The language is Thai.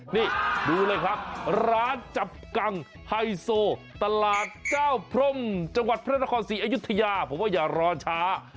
นี่ดูเลยครับร้านจับกังไฮโซตลาดเจ้าพรมจังหวัดพระนครศรีอยุธยาผมว่าอย่ารอช้า